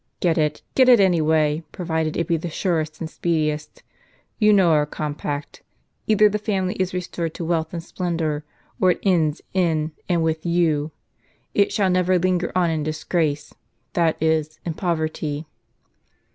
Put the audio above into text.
" Get it, get it any way, provided it be the surest and the speediest. You know our compact. Either the family is restored to wealth and splendor, or it ends in and with you. It shall never linger on in disgrace, that is, in poverty."